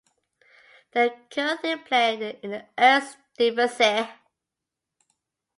They currently play in the Eerste Divisie.